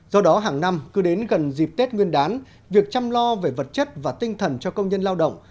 do đó hàng năm cứ đến gần dịp tết nguyên đán việc chăm lo về vật chất và tinh thần cho công nhân lao động